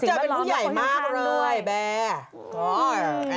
สิ่งบัตรล้อมเป็นคนอย่างคันด้วยแบร์พูดจากเป็นผู้ใหญ่มากเลย